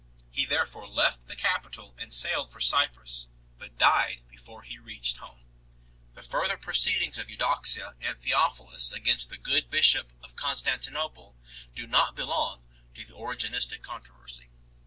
He therefore left the capital and sailed for Cyprus, but died before he reached home. The further proceedings of Eudoxia and Theophilus against the good bishop of Con stantinople do not belong to the Origenistic controversy 4